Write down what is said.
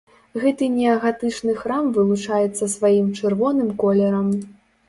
Гэты неагатычны храм вылучаецца сваім чырвоным колерам.